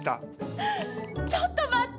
ちょっと待って。